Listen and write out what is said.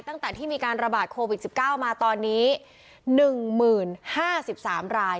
ตั้งแต่ที่มีการระบาดโควิด๑๙มาตอนนี้หนึ่งหมื่นห้าสิบสามราย